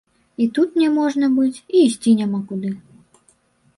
І тут няможна быць, і ісці няма куды.